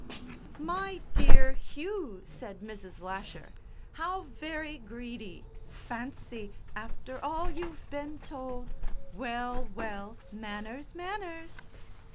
"My dear Hugh!" said Mrs. Lasher; "how very greedy! Fancy! After all you've been told! Well, well! Manners, manners!"